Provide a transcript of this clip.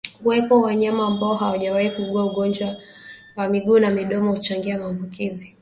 Kuwepo wanyama ambao hawajawahi kuugua ugonjwa wa miguu na midomo huchangia maambukizi